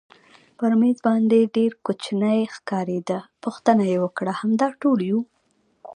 پر مېز باندې ډېر کوچنی ښکارېده، پوښتنه یې وکړل همدا ټول یو؟